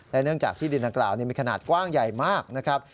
เนื่องจากที่ดินดังกล่าวมีขนาดกว้างใหญ่มากนะครับ